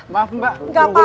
maaf mbak tunggu lama ya